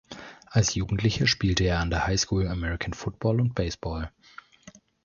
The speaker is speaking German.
Als Jugendlicher spielte er an der High School American Football und Baseball.